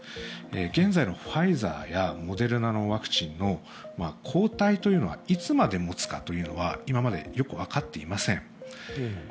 現在のファイザーやモデルナのワクチンの抗体というのはいつまでもつかというのは今までよく分かっていません。